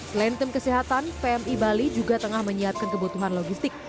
selain tim kesehatan pmi bali juga tengah menyiapkan kebutuhan logistik